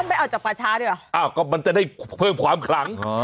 มันจะได้เพิ่มความคลัง